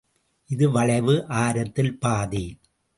இது வளைவு ஆரத்தில் பாதி.